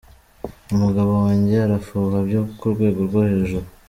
Umugabo wange arafuha byo ku rwego rwo hejuru.